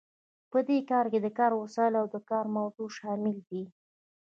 په دې کې د کار وسایل او د کار موضوع شامل دي.